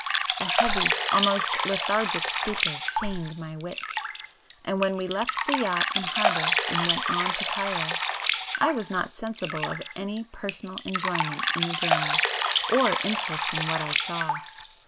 A heavy almost lethargic stupor chained my wits, and when we left the yacht in harbour and went on to Cairo, I was not sensible of any personal enjoyment in the journey, or interest in what I saw.